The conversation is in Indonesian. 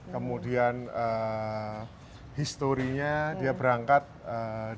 kemudian historinya dia berangkat dari jiangsu